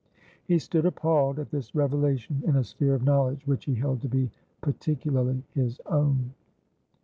He stood appalled at this revelation in a sphere of knowledge which he held to be particularly his own.